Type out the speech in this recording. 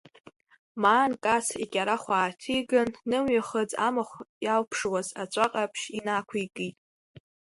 Маан Кац икьарахә ааҭиган, нымҩахыҵ амахә иалԥшуаз аҵәа ҟаԥшь инақәикит.